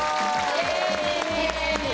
イエイ！